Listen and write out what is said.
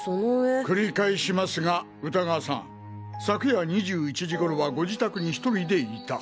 繰り返しますが歌川さん昨夜２１時頃はご自宅に１人でいた。